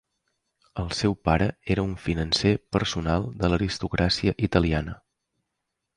El seu pare era un financer personal de l'aristocràcia italiana.